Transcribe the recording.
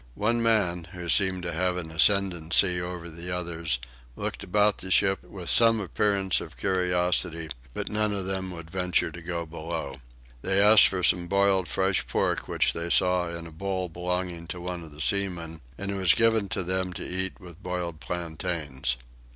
One man, who seemed to have an ascendancy over the others, looked about the ship with some appearance of curiosity, but none of them would venture to go below. They asked for some boiled fresh pork which they saw in a bowl belonging to one of the seaman, and it was given them to eat with boiled plantains.